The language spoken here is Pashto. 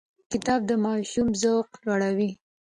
کتاب د ماشوم ذوق لوړوي.